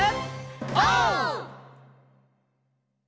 オー！